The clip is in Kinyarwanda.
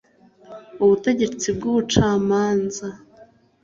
ubutegetsi bw'ubucamanza